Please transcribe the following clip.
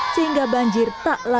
sehingga banjirnya akan berubah